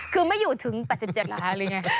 คือไม่อยู่ถึง๘๗ล้างหรือยัง